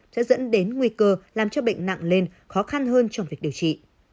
sẽ dẫn đến nguy cơ làm cho bệnh nặng lên khó khăn hơn trong việc điều trị